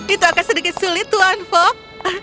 itu akan sedikit sulit tuan fok